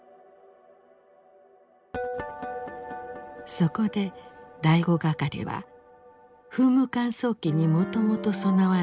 そこで第五係は噴霧乾燥機にもともと備わる